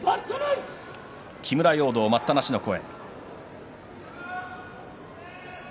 木村容堂、待ったなしの声。